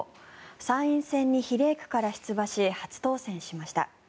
参院選に比例区から出馬し初当選しました。